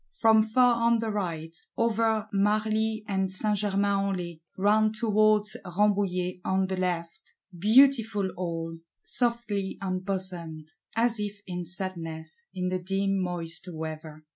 From far on the right, over Marly and Saint Germains en Laye; round towards Rambouillet, on the left: beautiful all; softly embosomed; as if in sadness, in the dim moist weather!